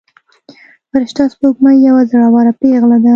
فرشته سپوږمۍ یوه زړوره پيغله ده.